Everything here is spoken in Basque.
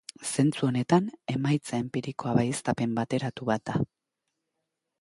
Zentzu honetan, emaitza enpirikoa baieztapen bateratu bat da.